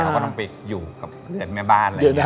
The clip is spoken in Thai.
เขาก็ต้องไปอยู่กับเลือนแม่บ้าน